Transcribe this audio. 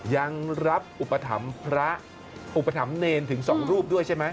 ยังรับอุปถัมภ์พระอุปถัมภ์เนรถึงสองรูปด้วยใช่ไหม